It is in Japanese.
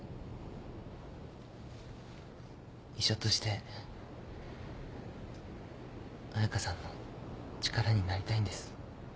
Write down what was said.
医者として彩佳さんの力になりたいんです。